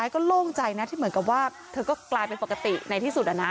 ก็โล่งใจนะที่เหมือนกับว่าเธอก็กลายเป็นปกติในที่สุด